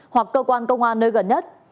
hoặc cơ quan công an nơi gần nhất